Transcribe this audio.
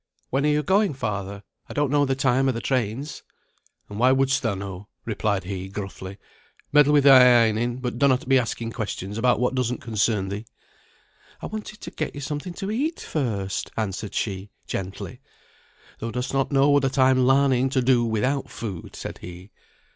"When are you going, father? I don't know the time o' the trains." "And why shouldst thou know?" replied he, gruffly. "Meddle with thy ironing, but donnot be asking questions about what doesn't concern thee." "I wanted to get you something to eat first," answered she, gently. "Thou dost not know that I'm larning to do without food," said he.